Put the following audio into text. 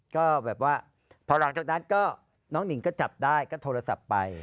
ก็แบบว่าพอหลังจากนั้นก็น้องหนิงก็จับได้ก็โทรศัพท์ไป